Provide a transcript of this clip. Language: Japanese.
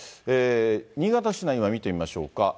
新潟市内を今、見てみましょうか。